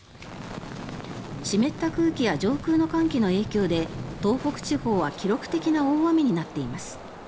湿った空気や上空の寒気の影響で東北地方は記録的な大雨になっています。